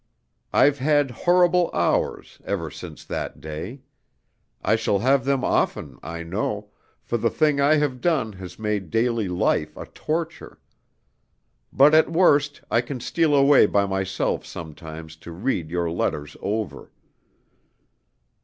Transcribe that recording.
I've had horrible hours, ever since that day. I shall have them often, I know, for the thing I have done has made daily life a torture. But at worst I can steal away by myself sometimes to read your letters over.